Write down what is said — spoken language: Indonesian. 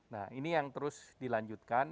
nah ini yang terus dilanjutkan